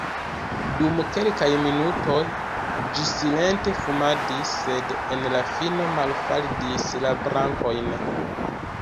Dum kelkaj minutoj ĝi silente fumadis, sed en la fino malfaldis la brakojn.